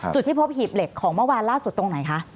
จุดที่พบหีบเหล็กของเมื่อวานล่าสุดตรงไหนคะ